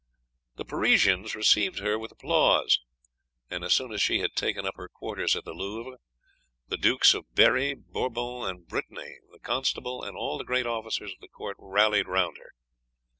"The Parisians received her with applause, and as soon as she had taken up her quarters at the Louvre, the Dukes of Berri, Bourbon, and Brittany, the Constable, and all the great officers of the court rallied round her.